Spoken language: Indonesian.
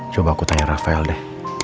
coba aku tanya rafael deh